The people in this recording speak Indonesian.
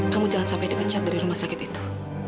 kamu jangan sampai dipecat dari rumah sakit itu